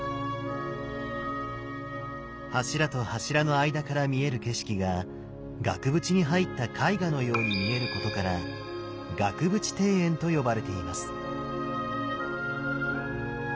柱と柱の間から見える景色が額縁に入った絵画のように見えることから額縁庭園と呼ばれています。